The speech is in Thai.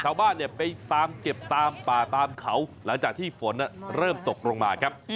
ชาวบ้านเนี่ยไปตามเก็บตามป่าตามเขาหลังจากที่ฝนเริ่มตกลงมาครับ